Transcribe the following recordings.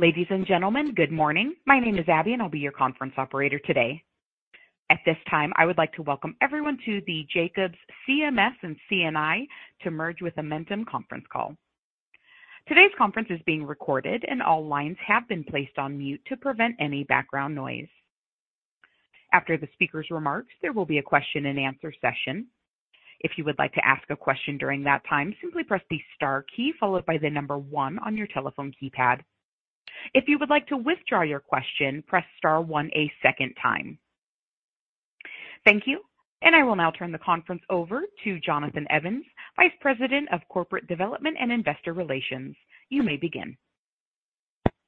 Ladies and gentlemen, good morning. My name is Abby, and I'll be your conference operator today. At this time, I would like to welcome everyone to the Jacobs CMS and C&I to merge with Amentum conference call. Today's conference is being recorded, and all lines have been placed on mute to prevent any background noise. After the speaker's remarks, there will be a question-and-answer session. If you would like to ask a question during that time, simply press the star key followed by the number one on your telephone keypad. If you would like to withdraw your question, press star one a second time. Thank you, and I will now turn the conference over to Jonathan Evans, Vice President of Corporate Development and Investor Relations. You may begin.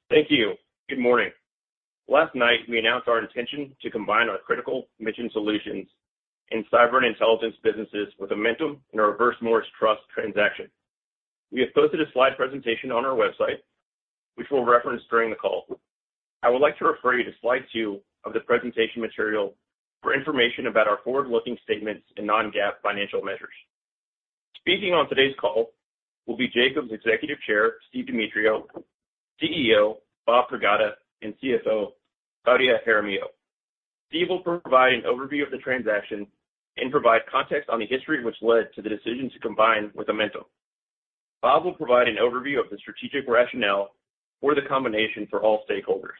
Thank you. Good morning. Last night, we announced our intention to combine our Critical Mission Solutions and Cyber and Intelligence businesses with Amentum in a Reverse Morris Trust transaction. We have posted a slide presentation on our website, which we'll reference during the call. I would like to refer you to slide two of the presentation material for information about our forward-looking statements and non-GAAP financial measures. Speaking on today's call will be Jacobs' Executive Chair, Steve Demetriou, CEO, Bob Pragada, and CFO, Claudia Jaramillo. Steve will provide an overview of the transaction and provide context on the history, which led to the decision to combine with Amentum. Bob will provide an overview of the strategic rationale for the combination for all stakeholders.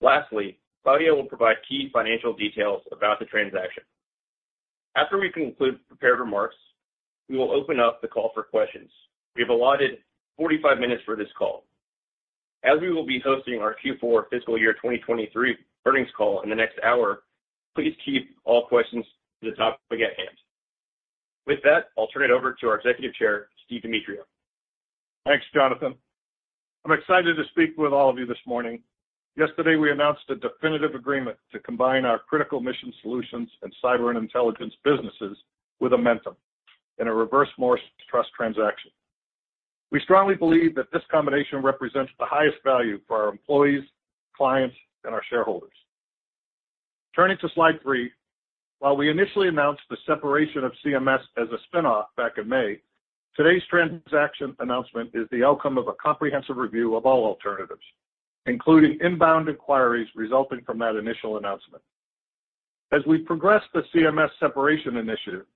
Lastly, Claudia will provide key financial details about the transaction. After we conclude prepared remarks, we will open up the call for questions. We have allotted 45 minutes for this call. As we will be hosting our Q4 fiscal year 2023 earnings call in the next hour, please keep all questions to the topic at hand. With that, I'll turn it over to our Executive Chair, Steve Demetriou. Thanks, Jonathan. I'm excited to speak with all of you this morning. Yesterday, we announced a definitive agreement to combine our Critical Mission Solutions and Cyber and Intelligence businesses with Amentum in a Reverse Morris Trust transaction. We strongly believe that this combination represents the highest value for our employees, clients, and our shareholders. Turning to slide 3, while we initially announced the separation of CMS as a spin-off back in May, today's transaction announcement is the outcome of a comprehensive review of all alternatives, including inbound inquiries resulting from that initial announcement. As we progressed the CMS separation initiative,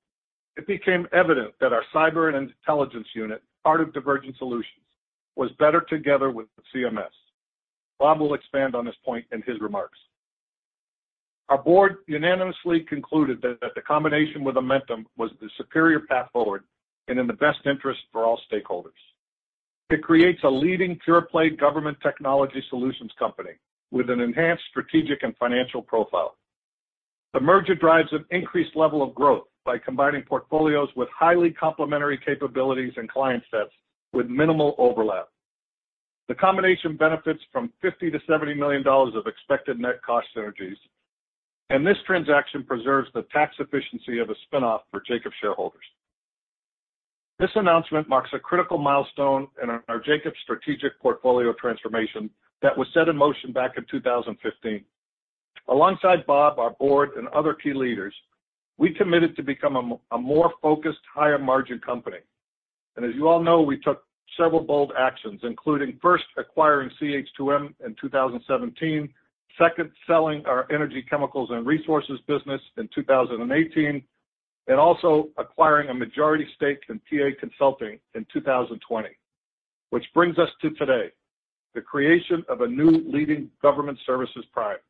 it became evident that our Cyber and Intelligence unit, part of Divergent Solutions, was better together with CMS. Bob will expand on this point in his remarks. Our board unanimously concluded that the combination with Amentum was the superior path forward and in the best interest for all stakeholders. It creates a leading pure-play government technology solutions company with an enhanced strategic and financial profile. The merger drives an increased level of growth by combining portfolios with highly complementary capabilities and client sets with minimal overlap. The combination benefits from $50 million-$70 million of expected net cost synergies, and this transaction preserves the tax efficiency of a spin-off for Jacobs shareholders. This announcement marks a critical milestone in our Jacobs strategic portfolio transformation that was set in motion back in 2015. Alongside Bob, our board, and other key leaders, we committed to become a more focused, higher-margin company. As you all know, we took several bold actions, including first acquiring CH2M in 2017, second, selling our Energy, Chemicals, and Resources business in 2018, and also acquiring a majority stake in PA Consulting in 2020. Which brings us to today, the creation of a new leading government services provider.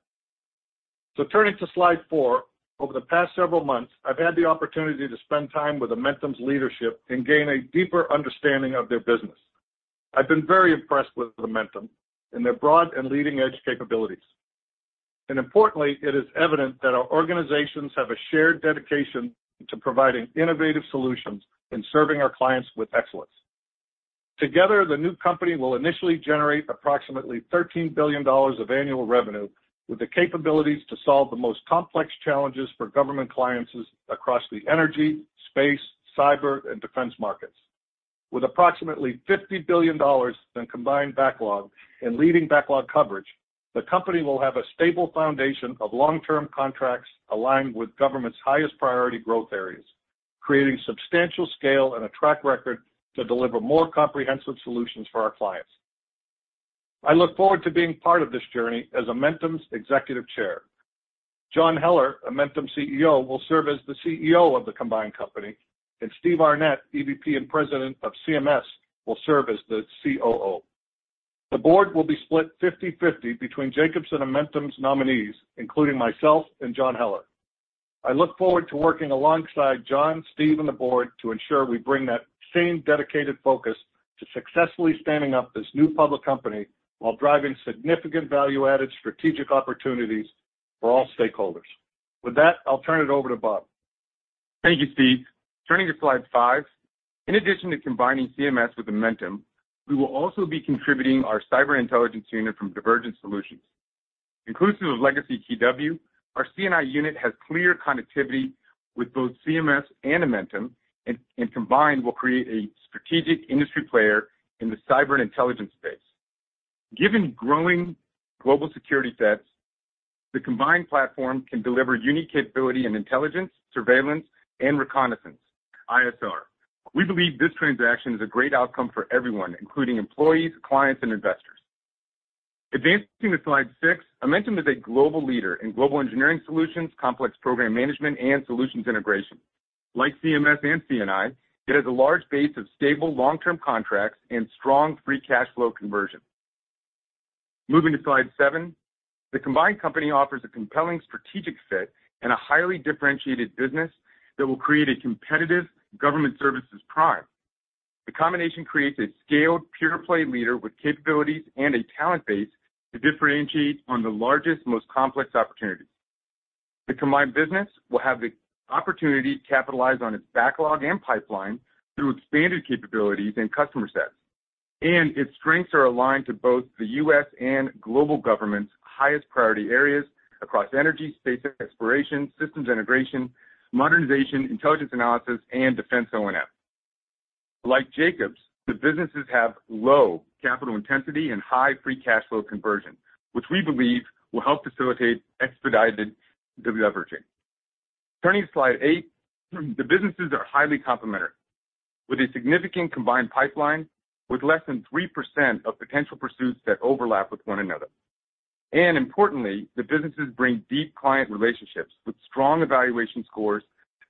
Turning to slide 4, over the past several months, I've had the opportunity to spend time with Amentum's leadership and gain a deeper understanding of their business. I've been very impressed with Amentum and their broad and leading-edge capabilities. Importantly, it is evident that our organizations have a shared dedication to providing innovative solutions and serving our clients with excellence. Together, the new company will initially generate approximately $13 billion of annual revenue, with the capabilities to solve the most complex challenges for government clients across the energy, space, cyber, and defense markets. With approximately $50 billion in combined backlog and leading backlog coverage, the company will have a stable foundation of long-term contracts aligned with government's highest priority growth areas, creating substantial scale and a track record to deliver more comprehensive solutions for our clients. I look forward to being part of this journey as Amentum's Executive Chair. John Heller, Amentum CEO, will serve as the CEO of the combined company, and Steve Arnette, EVP and President of CMS, will serve as the COO. The board will be split 50/50 between Jacobs and Amentum's nominees, including myself and John Heller. I look forward to working alongside John, Steve, and the board to ensure we bring that same dedicated focus to successfully standing up this new public company while driving significant value-added strategic opportunities for all stakeholders. With that, I'll turn it over to Bob. Thank you, Steve. Turning to slide 5. In addition to combining CMS with Amentum, we will also be contributing our cyber intelligence unit from Divergent Solutions. Inclusive of Legacy KeyW, our C&I unit has clear connectivity with both CMS and Amentum, and combined, will create a strategic industry player in the cyber intelligence space. Given growing global security threats. The combined platform can deliver unique capability and intelligence, surveillance, and reconnaissance, ISR. We believe this transaction is a great outcome for everyone, including employees, clients, and investors. Advancing to slide 6, Amentum is a global leader in global engineering solutions, complex program management, and solutions integration. Like CMS and C&I, it has a large base of stable, long-term contracts and strong free cash flow conversion. Moving to slide 7, the combined company offers a compelling strategic fit and a highly differentiated business that will create a competitive government services prime. The combination creates a scaled pure-play leader with capabilities and a talent base to differentiate on the largest, most complex opportunities. The combined business will have the opportunity to capitalize on its backlog and pipeline through expanded capabilities and customer sets. Its strengths are aligned to both the U.S. and global government's highest priority areas across energy, space exploration, systems integration, modernization, intelligence analysis, and defense O&M. Like Jacobs, the businesses have low capital intensity and high free cash flow conversion, which we believe will help facilitate expedited deleveraging. Turning to slide 8, the businesses are highly complementary, with a significant combined pipeline, with less than 3% of potential pursuits that overlap with one another. And importantly, the businesses bring deep client relationships with strong evaluation scores,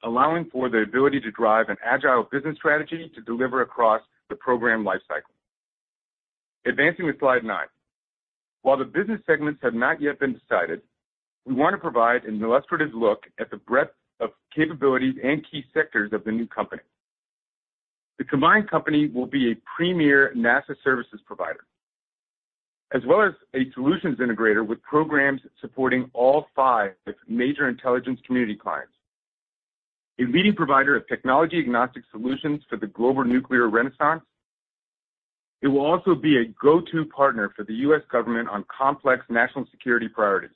allowing for the ability to drive an agile business strategy to deliver across the program lifecycle. Advancing to slide 9. While the business segments have not yet been decided, we want to provide an illustrative look at the breadth of capabilities and key sectors of the new company. The combined company will be a premier NASA services provider, as well as a solutions integrator with programs supporting all 5 major intelligence community clients. A leading provider of technology-agnostic solutions for the global nuclear renaissance. It will also be a go-to partner for the U.S. government on complex national security priorities.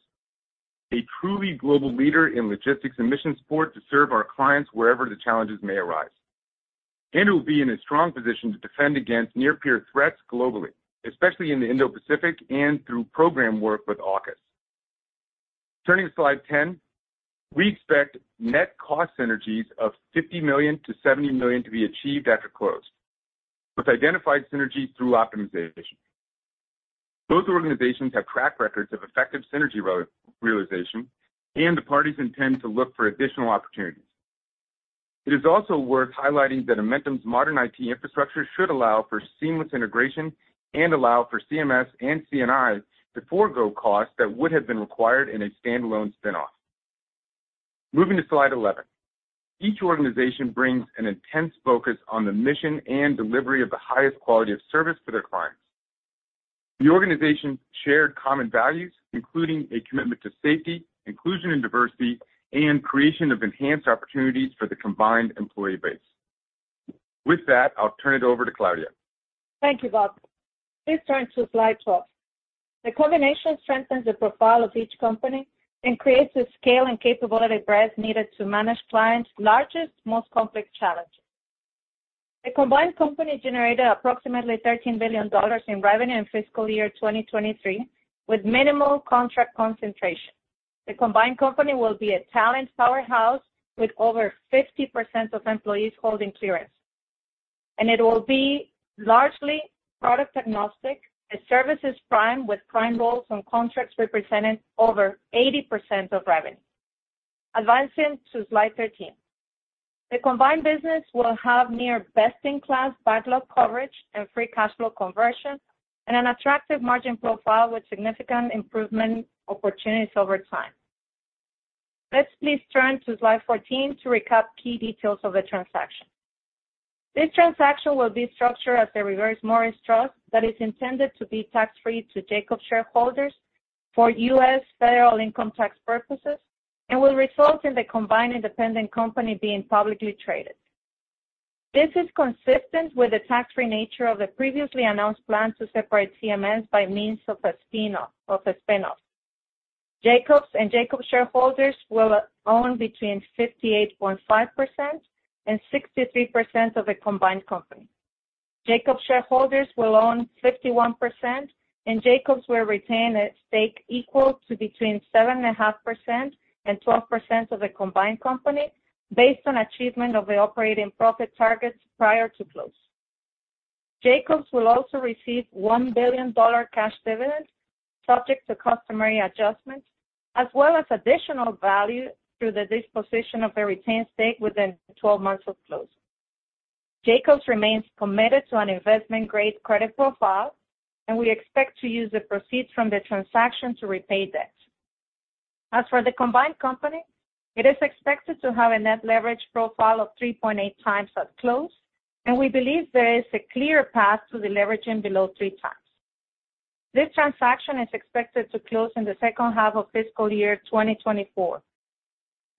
A truly global leader in logistics and mission support to serve our clients wherever the challenges may arise. It will be in a strong position to defend against near-peer threats globally, especially in the Indo-Pacific and through program work with AUKUS. Turning to slide 10. We expect net cost synergies of $50 million-$70 million to be achieved after close, with identified synergies through optimization. Both organizations have track records of effective synergy realization, and the parties intend to look for additional opportunities. It is also worth highlighting that Amentum's modern IT infrastructure should allow for seamless integration and allow for CMS and C&I to forgo costs that would have been required in a standalone spin-off. Moving to slide 11. Each organization brings an intense focus on the mission and delivery of the highest quality of service to their clients. The organizations share common values, including a commitment to safety, inclusion, and diversity, and creation of enhanced opportunities for the combined employee base. With that, I'll turn it over to Claudia. Thank you, Bob. Please turn to slide 12. The combination strengthens the profile of each company and creates the scale and capability breadth needed to manage clients' largest, most complex challenges. The combined company generated approximately $13 billion in revenue in fiscal year 2023, with minimal contract concentration. The combined company will be a talent powerhouse, with over 50% of employees holding clearance. It will be largely product-agnostic, a services prime with prime roles and contracts representing over 80% of revenue. Advancing to slide 13. The combined business will have near best-in-class backlog coverage and free cash flow conversion, and an attractive margin profile with significant improvement opportunities over time. Let's please turn to slide 14 to recap key details of the transaction. This transaction will be structured as a Reverse Morris Trust that is intended to be tax-free to Jacobs shareholders for U.S. federal income tax purposes and will result in the combined independent company being publicly traded. This is consistent with the tax-free nature of the previously announced plan to separate CMS by means of a spin-off. Jacobs and Jacobs shareholders will own between 58.5% and 63% of the combined company. Jacobs shareholders will own 51%, and Jacobs will retain a stake equal to between 7.5% and 12% of the combined company, based on achievement of the operating profit targets prior to close. Jacobs will also receive $1 billion cash dividend, subject to customary adjustments, as well as additional value through the disposition of the retained stake within 12 months of close. Jacobs remains committed to an investment-grade credit profile, and we expect to use the proceeds from the transaction to repay debt. As for the combined company, it is expected to have a net leverage profile of 3.8 times at close, and we believe there is a clear path to deleveraging below 3 times. This transaction is expected to close in the second half of fiscal year 2024.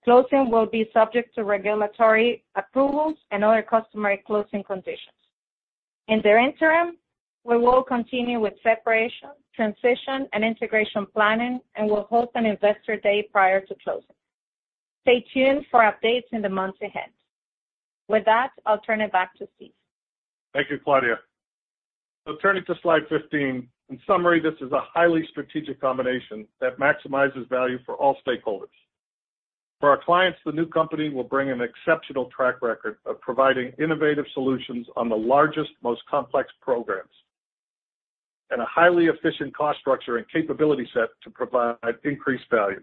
Closing will be subject to regulatory approvals and other customary closing conditions. In the interim, we will continue with separation, transition, and integration planning and will host an Investor Day prior to closing. Stay tuned for updates in the months ahead. With that, I'll turn it back to Steve. Thank you, Claudia. Turning to slide 15. In summary, this is a highly strategic combination that maximizes value for all stakeholders. For our clients, the new company will bring an exceptional track record of providing innovative solutions on the largest, most complex programs, and a highly efficient cost structure and capability set to provide increased value.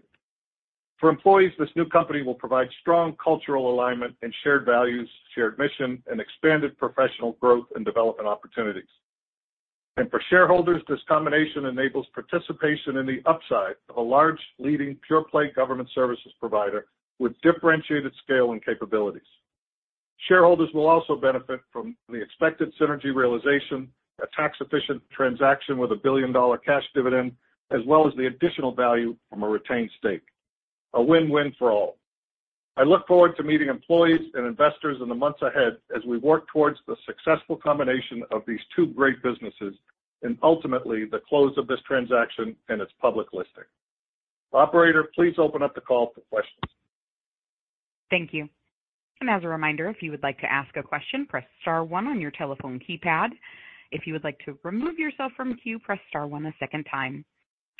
For employees, this new company will provide strong cultural alignment and shared values, shared mission, and expanded professional growth and development opportunities. And for shareholders, this combination enables participation in the upside of a large, leading pure-play government services provider with differentiated scale and capabilities. Shareholders will also benefit from the expected synergy realization, a tax-efficient transaction with a billion-dollar cash dividend, as well as the additional value from a retained stake. A win-win for all. I look forward to meeting employees and investors in the months ahead as we work towards the successful combination of these two great businesses and ultimately the close of this transaction and its public listing. Operator, please open up the call for questions. Thank you. And as a reminder, if you would like to ask a question, press star one on your telephone keypad. If you would like to remove yourself from queue, press star one a second time,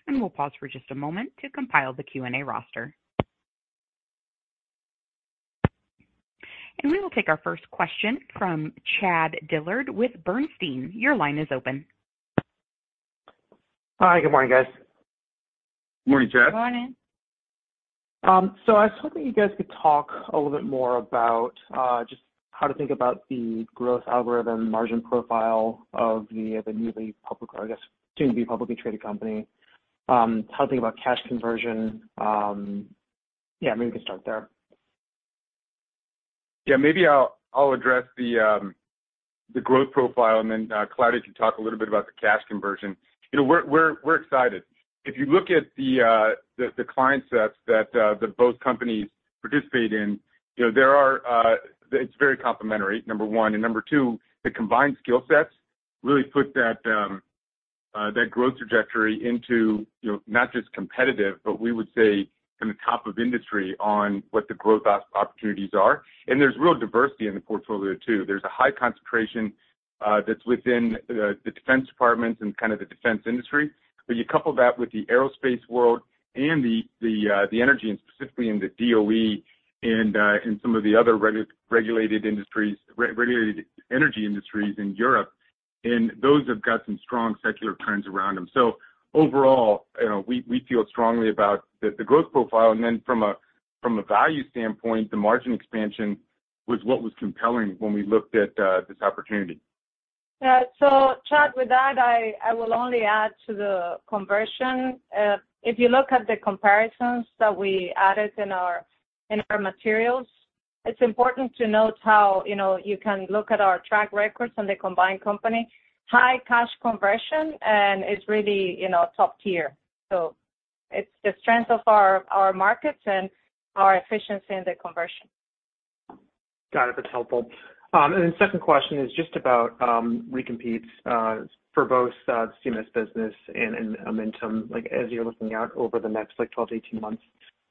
and we'll pause for just a moment to compile the Q&A roster. And we will take our first question from Chad Dillard with Bernstein. Your line is open. Hi, good morning, guys. Morning, Chad. Morning. So I was hoping you guys could talk a little bit more about just how to think about the growth algorithm, margin profile of the newly public, or I guess, soon-to-be publicly traded company. How to think about cash conversion. Yeah, maybe we can start there. Yeah, maybe I'll address the growth profile, and then Claudia can talk a little bit about the cash conversion. You know, we're excited. If you look at the client sets that both companies participate in, you know, there are, it's very complementary, number one. And number two, the combined skill sets really put that growth trajectory into, you know, not just competitive, but we would say in the top of industry on what the growth opportunities are. And there's real diversity in the portfolio, too. There's a high concentration that's within the defense departments and kind of the defense industry. But you couple that with the aerospace world and the, the, the energy, and specifically in the DOE and, and some of the other regulated industries, regulated energy industries in Europe, and those have got some strong secular trends around them. So overall, you know, we, we feel strongly about the, the growth profile. And then from a, from a value standpoint, the margin expansion was what was compelling when we looked at this opportunity. So Chad, with that, I will only add to the conversion. If you look at the comparisons that we added in our materials, it's important to note how, you know, you can look at our track records on the combined company, high cash conversion, and it's really, you know, top tier. So it's the strength of our markets and our efficiency in the conversion. Got it, that's helpful. And then second question is just about recompetes for both the CMS business and Amentum. Like, as you're looking out over the next, like, 12 to 18 months,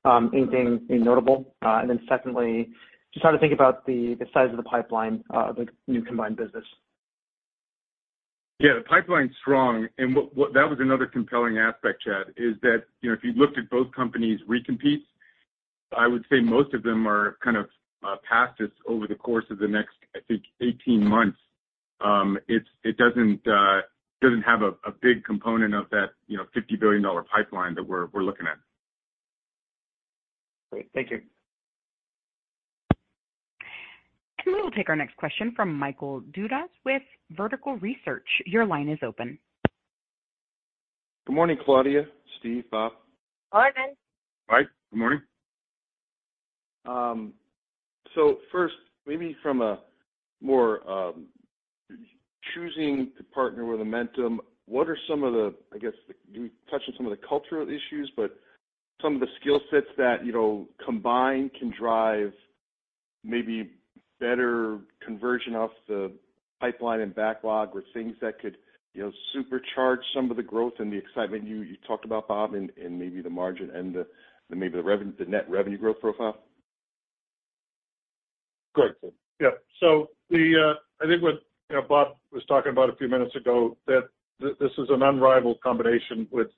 anything notable? And then secondly, just how to think about the size of the pipeline of the new combined business. Yeah, the pipeline's strong, and that was another compelling aspect, Chad, is that, you know, if you looked at both companies' recompetes, I would say most of them are kind of past us over the course of the next, I think, 18 months. It's, it doesn't have a big component of that, you know, $50 billion pipeline that we're looking at. Great. Thank you. We will take our next question from Michael Dudas with Vertical Research. Your line is open. Good morning, Claudia, Steve, Bob. Morning! Hi, good morning. So first, maybe from a more choosing to partner with Amentum, what are some of the, I guess, you touched on some of the cultural issues, but some of the skill sets that, you know, combined can drive maybe better conversion of the pipeline and backlog with things that could, you know, supercharge some of the growth and the excitement you talked about, Bob, and maybe the margin and the, maybe the revenue, the net revenue growth profile? Good. Yeah. So the, I think what, you know, Bob was talking about a few minutes ago, that this is an unrivaled combination with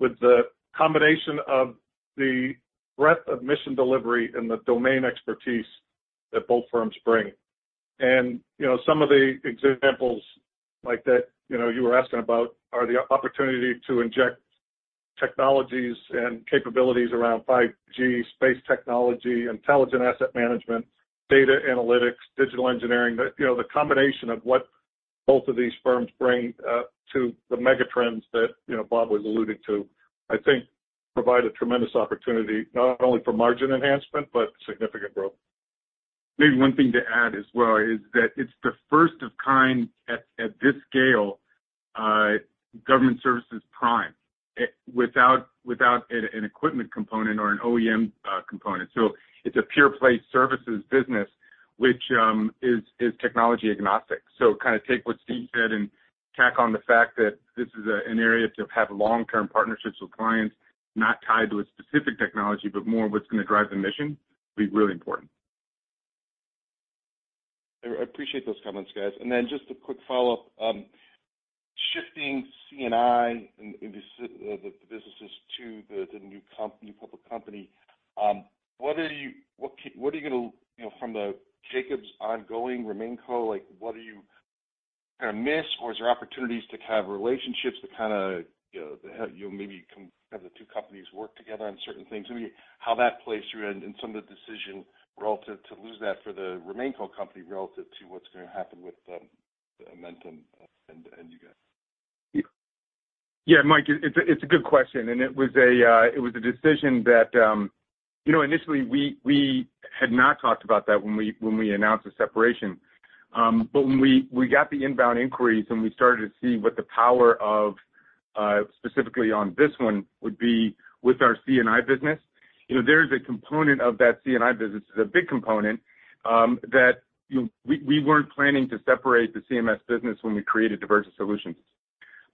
the combination of the breadth of mission delivery and the domain expertise that both firms bring. And, you know, some of the examples like that, you know, you were asking about, are the opportunity to inject technologies and capabilities around 5G, space technology, intelligent asset management, data analytics, digital engineering. The, you know, the combination of what both of these firms bring to the megatrends that, you know, Bob was alluding to, I think provide a tremendous opportunity, not only for margin enhancement, but significant growth. Maybe one thing to add as well is that it's the first of its kind at this scale, government services prime, without an equipment component or an OEM component. So it's a pure-play services business, which is technology agnostic. So kind of take what Steve said and tack on the fact that this is an area to have long-term partnerships with clients, not tied to a specific technology, but more what's going to drive the mission, will be really important. I appreciate those comments, guys. And then just a quick follow-up. Shifting C&I and the businesses to the new public company, what are you gonna, you know, from the Jacobs ongoing RemainCo, like, what are you gonna miss? Or is there opportunities to have relationships to kind of, you know, have, you know, maybe have the two companies work together on certain things? I mean, how that plays through and some of the decision relative to lose that for the RemainCo company relative to what's gonna happen with the Amentum and you guys? Yeah, Mike, it's a good question, and it was a decision that, you know, initially we had not talked about that when we announced the separation. But when we got the inbound inquiries, and we started to see what the power of, specifically on this one would be with our C&I business, you know, there is a component of that C&I business, it's a big component, that, you know, we weren't planning to separate the CMS business when we created Divergent Solutions.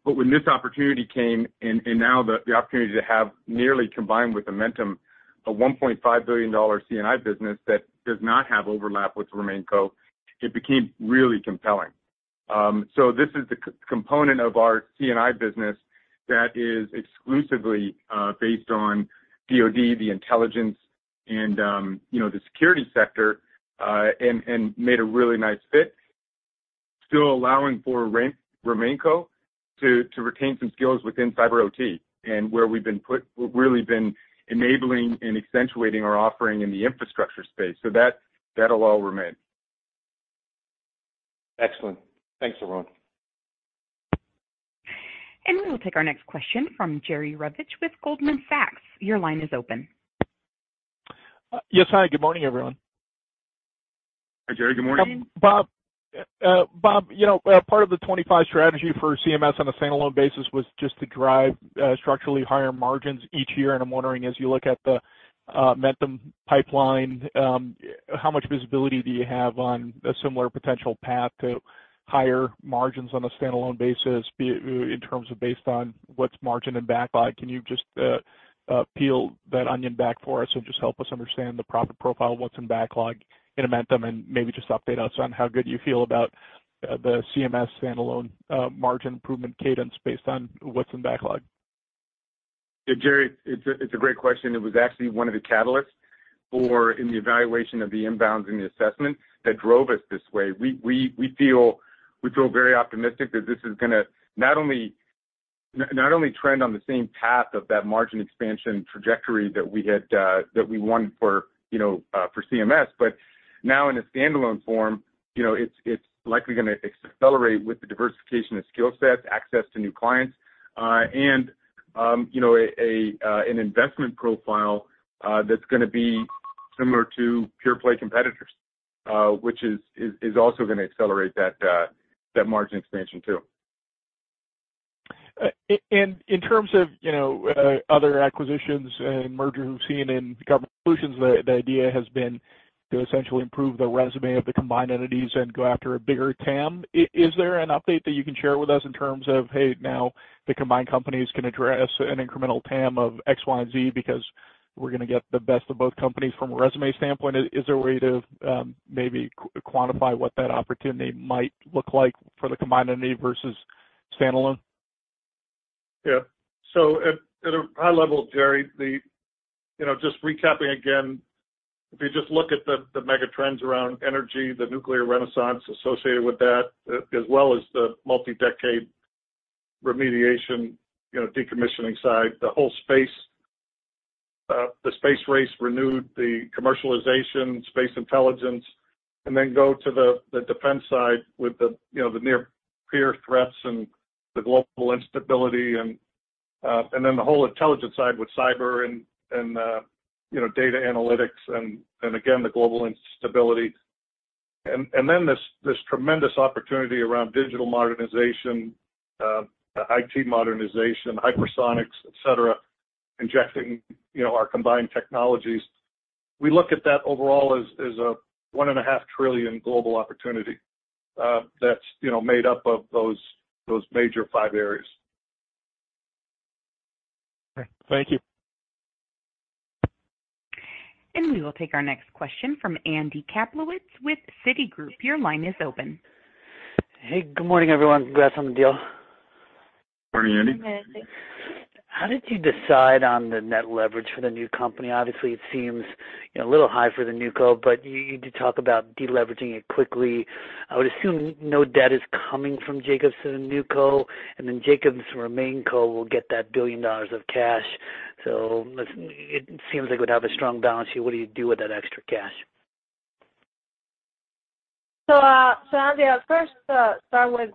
But when this opportunity came and now the opportunity to have nearly combined with Amentum, a $1.5 billion C&I business that does not have overlap with the RemaiCno, it became really compelling. So this is the C&I component of our C&I business that is exclusively based on DOD, the intelligence and, you know, the security sector, and made a really nice fit. Still allowing for RemainCo to retain some skills within cyber OT, and where we've really been enabling and accentuating our offering in the infrastructure space. So that, that'll all remain. Excellent. Thanks, everyone. We will take our next question from Jerry Revich with Goldman Sachs. Your line is open. Yes, hi, good morning, everyone. Hi, Jerry. Good morning. Bob, Bob, you know, part of the 25 strategy for CMS on a standalone basis was just to drive structurally higher margins each year. And I'm wondering, as you look at the Amentum pipeline, how much visibility do you have on a similar potential path to higher margins on a standalone basis, be it in terms of based on what's margined and backlogged? Can you just peel that onion back for us and just help us understand the profit profile, what's in backlog in Amentum, and maybe just update us on how good you feel about the CMS standalone margin improvement cadence based on what's in backlog? Yeah, Jerry, it's a great question. It was actually one of the catalysts for in the evaluation of the inbounds and the assessment that drove us this way. We feel very optimistic that this is gonna not only trend on the same path of that margin expansion trajectory that we had that we won for, you know, for CMS, but now in a standalone form, you know, it's likely gonna accelerate with the diversification of skill sets, access to new clients, and, you know, an investment profile that's gonna be similar to pure play competitors, which is also gonna accelerate that margin expansion, too. And in terms of, you know, other acquisitions and mergers we've seen in government solutions, the idea has been to essentially improve the resume of the combined entities and go after a bigger TAM. Is there an update that you can share with us in terms of, "Hey, now the combined companies can address an incremental TAM of X, Y, and Z, because we're gonna get the best of both companies from a resume standpoint?" Is there a way to, maybe quantify what that opportunity might look like for the combined entity versus standalone? Yeah. So at a high level, Jerry, the... You know, just recapping again, if you just look at the megatrends around energy, the nuclear renaissance associated with that, as well as the multi-decade remediation, you know, decommissioning side, the whole space, the space race renewed, the commercialization, space intelligence, and then go to the defense side with the, you know, the near peer threats and the global instability, and then the whole intelligence side with cyber and, you know, data analytics and again, the global instability. And then this tremendous opportunity around digital modernization, IT modernization, hypersonics, et cetera, injecting, you know, our combined technologies. We look at that overall as a $1.5 trillion global opportunity, that's, you know, made up of those major five areas. Great. Thank you. We will take our next question from Andy Kaplowitz with Citigroup. Your line is open. Hey, good morning, everyone. Congrats on the deal. Morning, Andy. Good morning. How did you decide on the net leverage for the new company? Obviously, it seems, you know, a little high for the new co, but you, you did talk about deleveraging it quickly. I would assume no debt is coming from Jacobs to the new co, and then Jacobs RemainCo will get that $1 billion of cash. So it, it seems like we'd have a strong balance sheet. What do you do with that extra cash? So, so Andy, I'll first start with,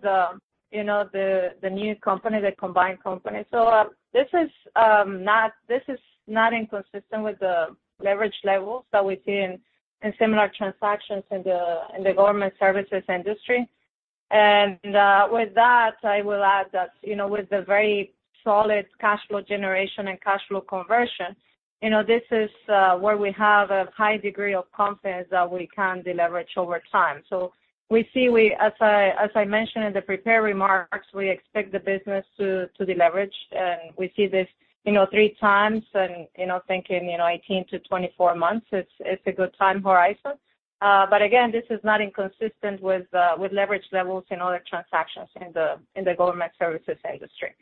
you know, the new company, the combined company. So, this is not, this is not inconsistent with the leverage levels that we see in similar transactions in the government services industry. And, with that, I will add that, you know, with the very solid cash flow generation and cash flow conversion... You know, this is where we have a high degree of confidence that we can deleverage over time. So we see we, as I, as I mentioned in the prepared remarks, we expect the business to deleverage, and we see this, you know, 3x. And, you know, thinking, you know, 18-24 months, it's a good time horizon. But again, this is not inconsistent with leverage levels in other transactions in the government services industry.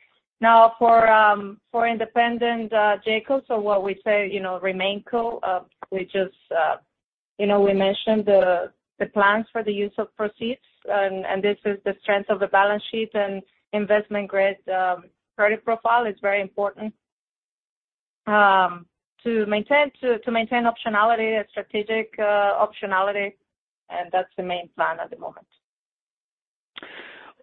Now, for independent Jacobs, so what we say, you know, RemainCo, we just, you know, we mentioned the plans for the use of proceeds, and this is the strength of the balance sheet and investment-grade credit profile is very important to maintain optionality and strategic optionality, and that's the main plan at the moment.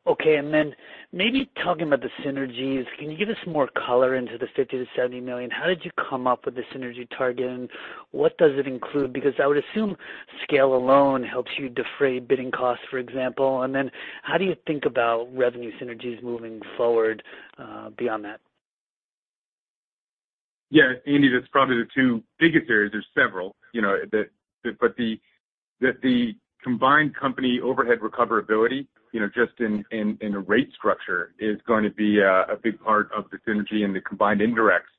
Okay, and then maybe talking about the synergies, can you give us more color into the $50 million-$70 million? How did you come up with the synergy target, and what does it include? Because I would assume scale alone helps you defray bidding costs, for example. And then how do you think about revenue synergies moving forward, beyond that? Yeah, Andy, that's probably the two biggest areas. There's several, you know, that, but the combined company overhead recoverability, you know, just in the rate structure, is going to be a big part of the synergy and the combined indirects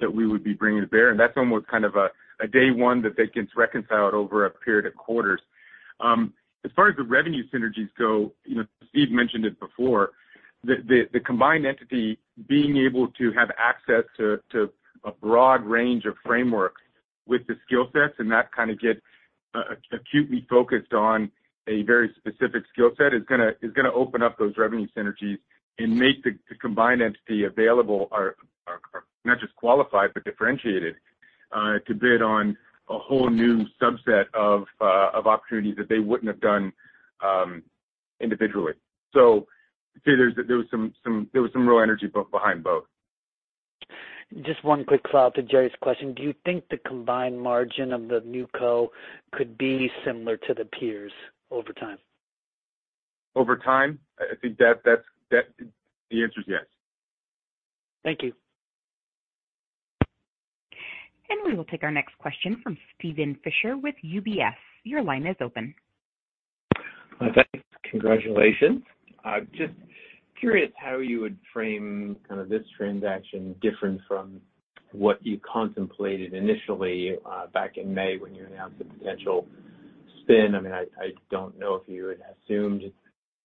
that we would be bringing to bear, and that's almost kind of a day one that they can reconcile over a period of quarters. As far as the revenue synergies go, you know, Steve mentioned it before, the combined entity being able to have access to a broad range of frameworks with the skill sets, and not kind of get acutely focused on a very specific skill set, is gonna open up those revenue synergies and make the combined entity available, not just qualified, but differentiated, to bid on a whole new subset of opportunities that they wouldn't have done individually. So I'd say there was some real energy behind both. Just one quick follow-up to Jerry's question. Do you think the combined margin of the new co could be similar to the peers over time? Over time? I think that. The answer is yes. Thank you. We will take our next question from Steven Fisher with UBS. Your line is open. Thanks. Congratulations. I'm just curious how you would frame kind of this transaction different from what you contemplated initially, back in May, when you announced the potential spin. I mean, I don't know if you had assumed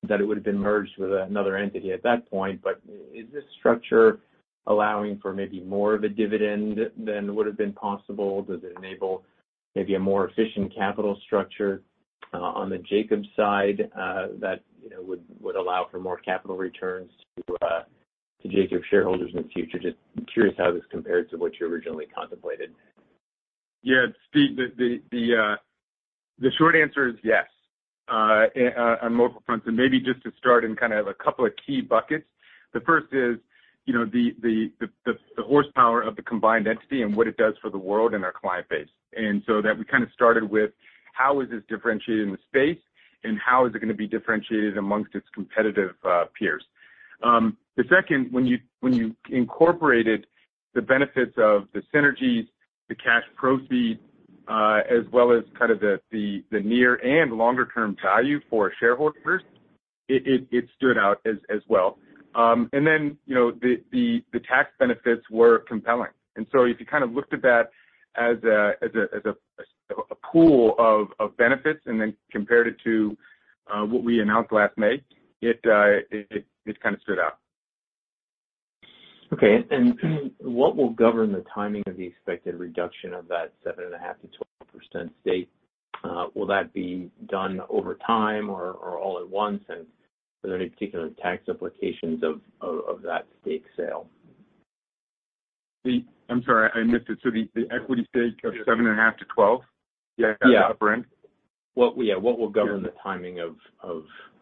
that it would have been merged with another entity at that point, but is this structure allowing for maybe more of a dividend than would have been possible? Does it enable maybe a more efficient capital structure, on the Jacobs side, that, you know, would allow for more capital returns to, to Jacobs shareholders in the future? Just curious how this compares to what you originally contemplated. Yeah, Steven, the short answer is yes, on multiple fronts, and maybe just to start in kind of a couple of key buckets. The first is, you know, the horsepower of the combined entity and what it does for the world and our client base. And so that we kind of started with how is this differentiated in the space, and how is it gonna be differentiated amongst its competitive peers? The second, when you incorporated the benefits of the synergies, the cash proceeds, as well as kind of the near and longer-term value for shareholders, it stood out as well. And then, you know, the tax benefits were compelling. So if you kind of looked at that as a pool of benefits and then compared it to what we announced last May, it kind of stood out. Okay. And, and what will govern the timing of the expected reduction of that 7.5%-12% stake? Will that be done over time or, or all at once? And are there any particular tax implications of that stake sale? I'm sorry, I missed it. So the equity stake of 7.5-12? Yeah. At the upper end. What will govern the timing of?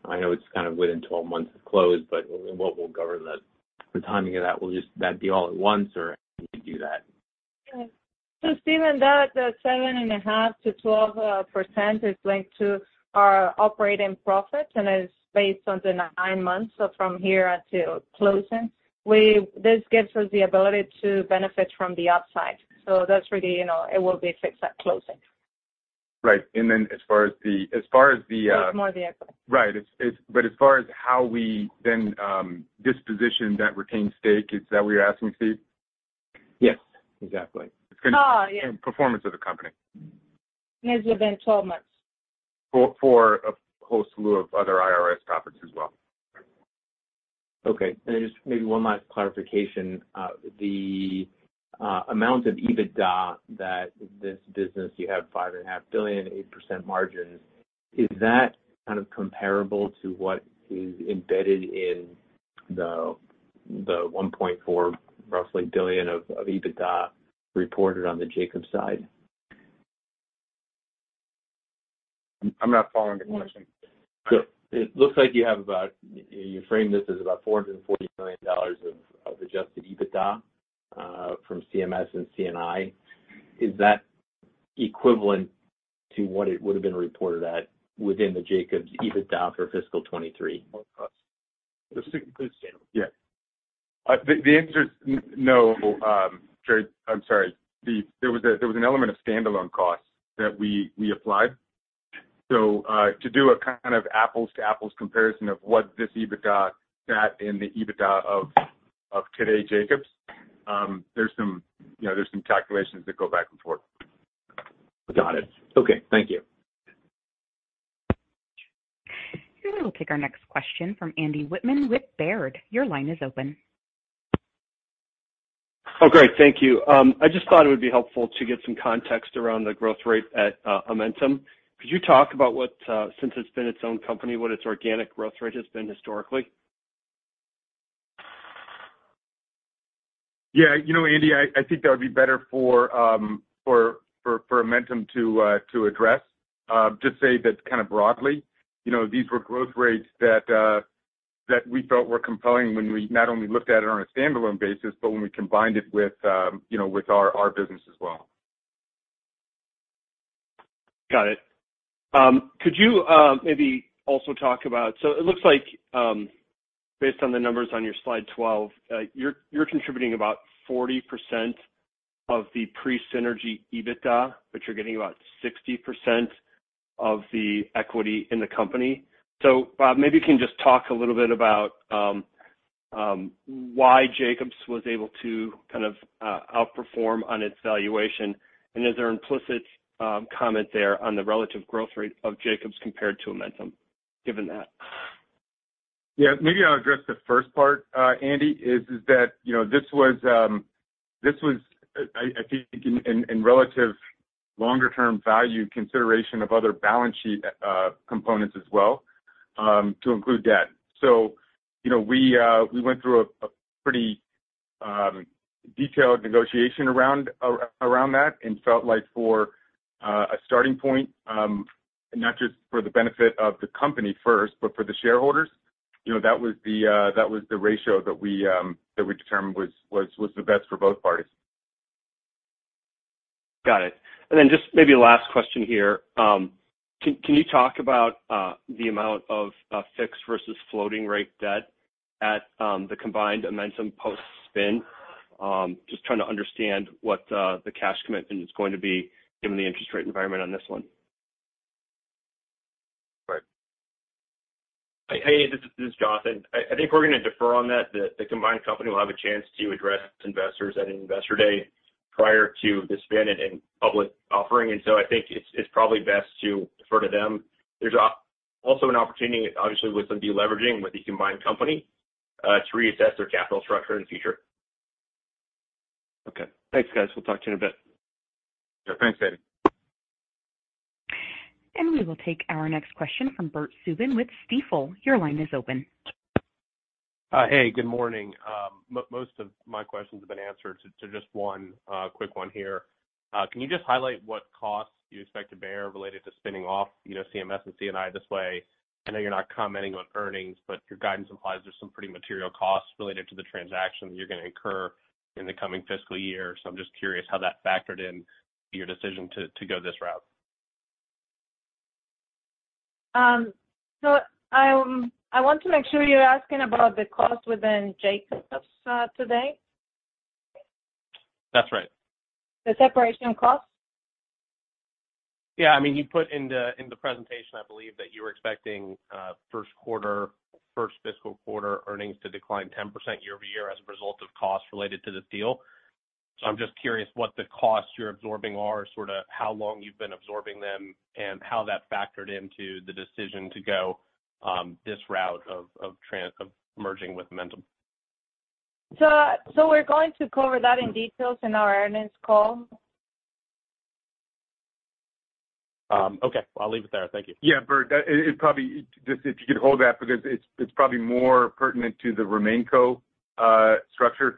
I know it's kind of within 12 months of close, but what will govern the timing of that? Will just that be all at once, or how do you do that? So Steven, that the 7.5%-12% is linked to our operating profits and is based on the nine months, so from here until closing. We this gives us the ability to benefit from the upside. So that's really, you know, it will be fixed at closing. Right. And then as far as the, It's more the equity. Right. It's, but as far as how we then disposition that retained stake, is that what you're asking, Steve? Yes, exactly. Oh, yeah. Performance of the company. Yes, within 12 months. For a whole slew of other IRS topics as well. Okay, and just maybe one last clarification. The amount of EBITDA that this business, you have $5.5 billion, 8% margins, is that kind of comparable to what is embedded in the $1.4 billion, roughly, of EBITDA reported on the Jacobs side? I'm not following the question. Sure. It looks like you have about, you frame this as about $440 million of adjusted EBITDA from CMS and C&I. Is that equivalent to what it would have been reported at within the Jacobs EBITDA for fiscal 2023? The S- includes standalone? Yeah. The answer is no, Trey, I'm sorry. There was an element of standalone costs that we applied. So, to do a kind of apples to apples comparison of what this EBITDA sat in the EBITDA of today Jacobs, you know, there's some calculations that go back and forth. Got it. Okay. Thank you. We will take our next question from Andy Wittmann with Baird. Your line is open. Oh, great. Thank you. I just thought it would be helpful to get some context around the growth rate at Amentum. Could you talk about what since it's been its own company, what its organic growth rate has been historically? Yeah, you know, Andy, I think that would be better for Amentum to address. Just say that kind of broadly, you know, these were growth rates that we felt were compelling when we not only looked at it on a standalone basis, but when we combined it with, you know, with our business as well. Got it. Could you, maybe also talk about... So it looks like, based on the numbers on your slide 12, you're, you're contributing about 40% of the pre-synergy EBITDA, but you're getting about 60% of the equity in the company. So, maybe you can just talk a little bit about, why Jacobs was able to kind of, outperform on its valuation, and is there an implicit, comment there on the relative growth rate of Jacobs compared to Amentum, given that? Yeah, maybe I'll address the first part, Andy, is that, you know, this was, this was, I think in relative longer term value consideration of other balance sheet components as well, to include debt. So, you know, we went through a pretty detailed negotiation around that and felt like for a starting point, not just for the benefit of the company first, but for the shareholders, you know, that was the ratio that we determined was the best for both parties. Got it. And then just maybe a last question here. Can you talk about the amount of fixed versus floating rate debt at the combined Amentum post-spin? Just trying to understand what the cash commitment is going to be given the interest rate environment on this one. Right. Hey, this is Jonathan. I think we're gonna defer on that. The combined company will have a chance to address investors at Investor Day prior to the spin and public offering. And so I think it's probably best to defer to them. There's also an opportunity, obviously, with some deleveraging with the combined company to reassess their capital structure in the future. Okay. Thanks, guys. We'll talk to you in a bit. Sure. Thanks, Andy. We will take our next question from Bert Subin with Stifel. Your line is open. Hey, good morning. Most of my questions have been answered, so just one quick one here. Can you just highlight what costs you expect to bear related to spinning off, you know, CMS and C&I this way? I know you're not commenting on earnings, but your guidance implies there's some pretty material costs related to the transaction you're gonna incur in the coming fiscal year. So I'm just curious how that factored in your decision to go this route. I want to make sure you're asking about the cost within Jacobs, today? That's right. The separation costs? Yeah. I mean, you put in the, in the presentation, I believe that you were expecting first quarter, first fiscal quarter earnings to decline 10% year-over-year as a result of costs related to the deal. So I'm just curious what the costs you're absorbing are, sort of how long you've been absorbing them, and how that factored into the decision to go this route of merging with Amentum. We're going to cover that in detail in our earnings call. Okay. I'll leave it there. Thank you. Yeah, Bert, that it probably just if you could hold that because it's probably more pertinent to the RemainCo structure.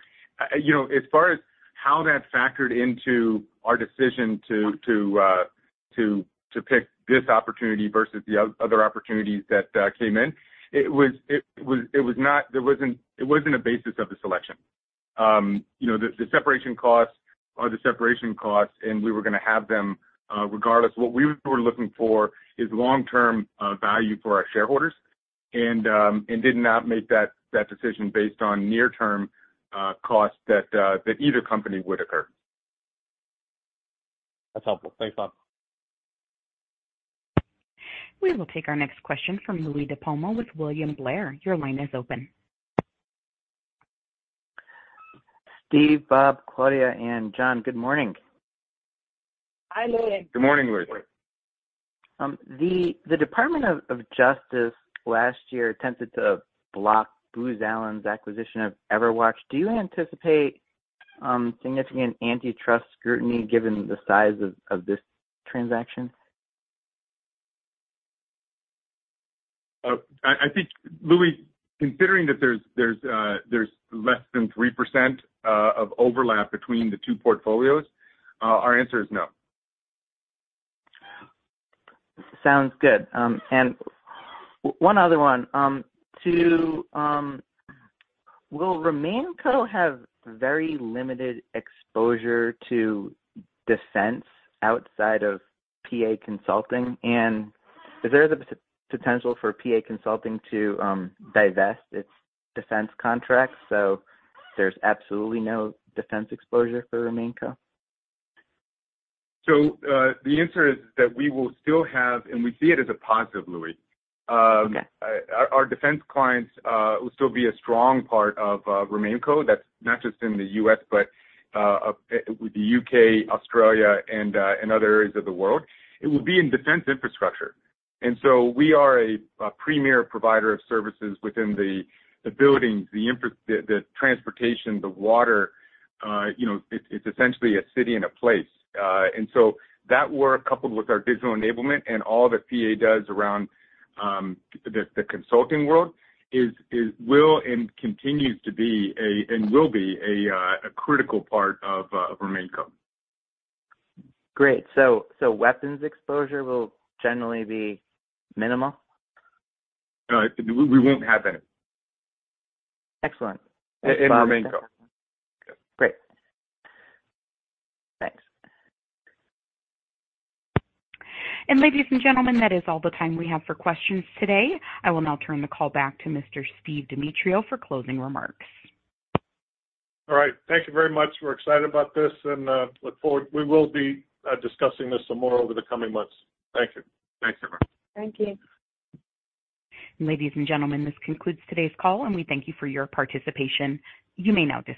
You know, as far as how that factored into our decision to pick this opportunity versus the other opportunities that came in, it was not. There wasn't. It wasn't a basis of the selection. You know, the separation costs are the separation costs, and we were gonna have them regardless. What we were looking for is long-term value for our shareholders and did not make that decision based on near-term costs that either company would occur. That's helpful. Thanks, Bob. We will take our next question from Louie DiPalma with William Blair. Your line is open. Steve, Bob, Claudia, and John, good morning. Hi, Louie. Good morning, Louie. The Department of Justice last year attempted to block Booz Allen's acquisition of EverWatch. Do you anticipate significant antitrust scrutiny given the size of this transaction? I think, Louie, considering that there's less than 3% of overlap between the two portfolios, our answer is no. Sounds good. And one other one. Will RemainCo have very limited exposure to defense outside of PA Consulting? And is there the potential for PA Consulting to divest its defense contracts, so there's absolutely no defense exposure for RemainCo? So, the answer is that we will still have, and we see it as a positive, Louie. Okay. Our defense clients will still be a strong part of RemainCo. That's not just in the US, but with the UK, Australia, and other areas of the world. It will be in defense infrastructure. And so we are a premier provider of services within the buildings, the infrastructure, the transportation, the water. You know, it's essentially cities and places. And so that, where coupled with our digital enablement and all that PA does around the consulting world, is- will and continues to be a, and will be a critical part of RemainCo. Great. So, so weapons exposure will generally be minimal? We won't have any. Excellent. In RemainCo. Great. Thanks. Ladies and gentlemen, that is all the time we have for questions today. I will now turn the call back to Mr. Steve Demetriou for closing remarks. All right. Thank you very much. We're excited about this and we will be discussing this some more over the coming months. Thank you. Thanks, everyone. Thank you. Ladies and gentlemen, this concludes today's call, and we thank you for your participation. You may now disconnect.